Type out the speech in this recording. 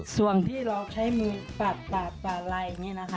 ส่วนที่เราใช้มือปัดปลาลายแบบนี้นะคะ